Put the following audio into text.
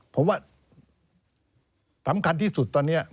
ผมว่าสำคัญที่สุดตอนนี้